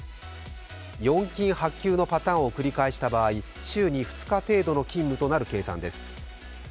４勤８休のパターンを繰り返した場合、週に２日程度の勤務となる計算です。